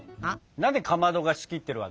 何でかまどが仕切ってるわけ？